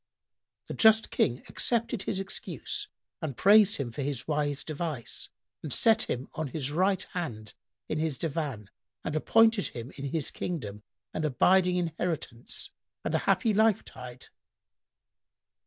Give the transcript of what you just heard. The just King accepted his excuse and praised him for his wise device and set him on his right hand in his divan and appointed him in his kingdom an abiding inheritance and a happy life tide.